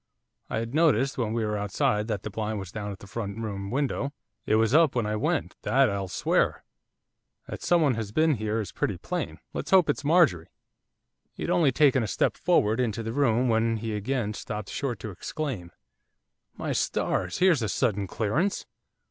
I had noticed, when we were outside, that the blind was down at the front room window. 'It was up when I went, that I'll swear. That someone has been here is pretty plain, let's hope it's Marjorie.' He had only taken a step forward into the room when he again stopped short to exclaim. 'My stars! here's a sudden clearance!